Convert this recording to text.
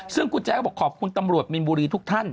ซึ่งคุณแจ๊ก็บอกขอบคุณตำรวจมินบุรีทุกท่าน